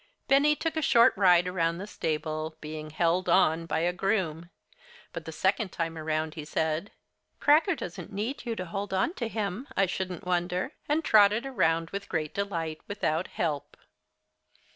Benny took a short ride around the stable, being "held on" by a groom. But the second time around, he said, "Cracker doesn't need you to hold onto him, I shouldn't wonder," and trotted around with great delight, without help.